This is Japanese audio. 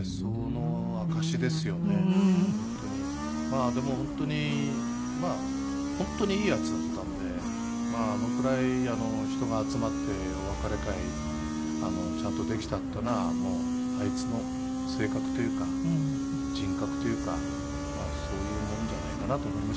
まあでも本当にいいヤツだったんであのくらい人が集まってお別れ会ちゃんとできたっていうのはあいつの性格というか人格というかそういうもんじゃないかなと思いましたけどね。